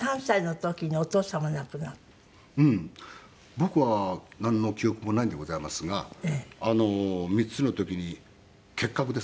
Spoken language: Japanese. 僕はなんの記憶もないんでございますが３つの時に結核ですね。